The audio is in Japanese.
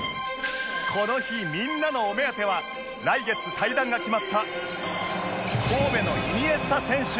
この日みんなのお目当ては来月退団が決まった神戸のイニエスタ選手